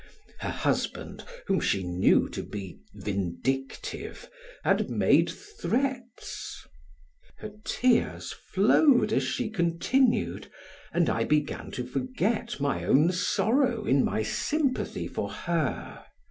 Her husband, whom she knew to be vindictive, had made threats. Her tears flowed as she continued, and I began to forget my own sorrow in my sympathy for her.